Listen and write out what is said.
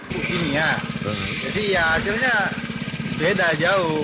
pupuk kimia jadi ya hasilnya beda jauh